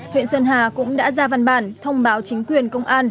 huyện sơn hà cũng đã ra văn bản thông báo chính quyền công an